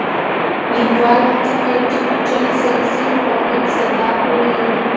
لیکوال هڅه کړې چې پېچلي ساینسي مفاهیم ساده کړي.